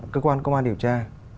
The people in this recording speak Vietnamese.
cơ quan công an điều tra